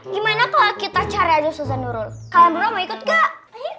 gimana kalau kita cari aja susah nurul kalian berapa ikut gak